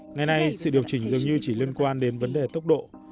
ngày nay sự điều chỉnh dường như chỉ liên quan đến vấn đề tốc độ